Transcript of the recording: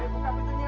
eh buka pintunya